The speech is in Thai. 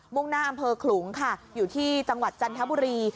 ่งหน้าอำเภอขลุงค่ะอยู่ที่จังหวัดจันทบุรี